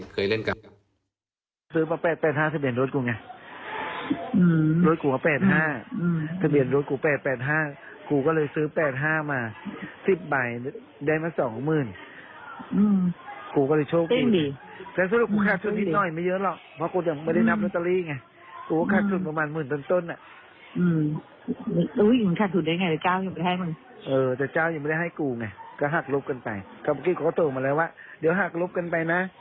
เขาก็ตกมาแล้วว่าเดี๋ยวหักลบกันไปนะ